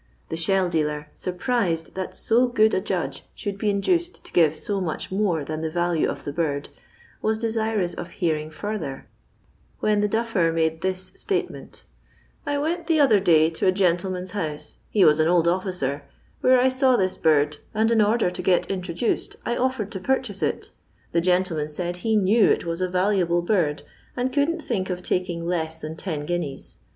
The shell dealer, surprised that so good a judge should be induced to give so much more than the value of the bird, was desirous of hearing further, when the duffer made this state ment :—" I went the other day to a gentleman's house, he was an old officer, where I saw this bird, and, in order to get introduced, I offered to purchase it The gentleman said he knew it was a valuable bird, and couldn't think of taking less than ten guineas.